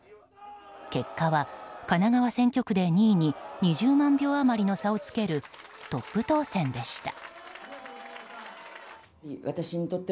結果は神奈川選挙区で２位に２０万票余りの差をつけるトップ当選でした。